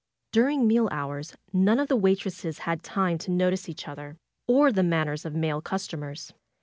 During meal hours, none of the waitresses had time FAITH 224 to notice each other, or the manners of male customers.